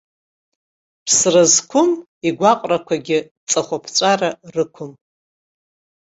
Ԥсра зқәым, игәаҟрақәагьы ҵыхәаԥҵәара рықәым.